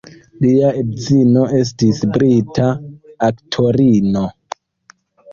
Lia edzino estis brita aktorino.